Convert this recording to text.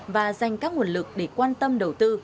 và dành các nguồn lực để quan tâm đầu tư